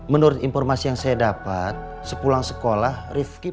menurut informasi yang saya dapat sepulang sekolah rivki pukul